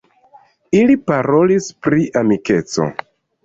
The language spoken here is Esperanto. Ili parolis pri amikeco.